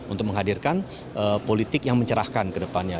untuk menghadirkan politik yang mencerahkan ke depannya